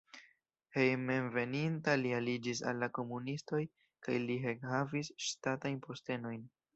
Hejmenveninta li aliĝis al la komunistoj kaj li ekhavis ŝtatajn postenojn.